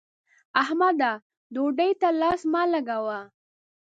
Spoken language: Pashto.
احمده! ډوډۍ ته لاس مه لګوه.